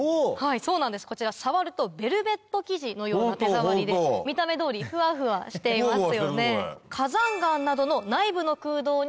そうなんですこちら触るとベルベット生地のような手触りで見た目通りふわふわしていますよね。